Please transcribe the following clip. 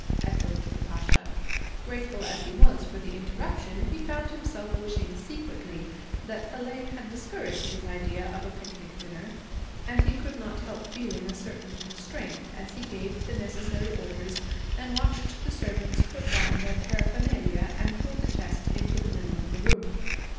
echoed the Pasha. Grateful as he was for the interruption, he found himself wishing, secretly, that Hélène had discouraged his idea of a picnic dinner. And he could not help feeling a certain constraint as he gave the necessary orders and watched the servants put down their paraphernalia and pull the chest into the middle of the room.